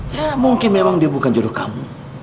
ya mungkin memang dia bukan juruh kamu